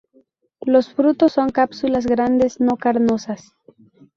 Los frutos son cápsulas grandes no carnosas.